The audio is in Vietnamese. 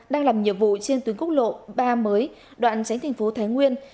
đang làm nhiệm vụ trên tuyến quốc lộ ba mới đoạn tránh tp thái nguyên